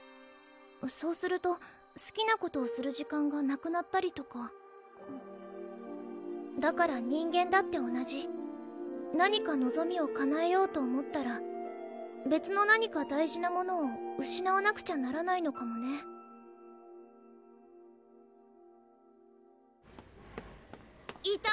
そうするとすきなことをする時間がなくなったりとかだから人間だって同じ何かのぞみをかなえようと思ったら別の何か大事なものをうしなわなくちゃならないのかもねいた？